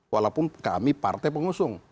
walaupun kami partai pengusung